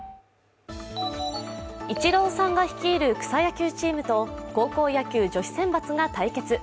イチローさんが率いる草野球チームと高校野球女子選抜が対決。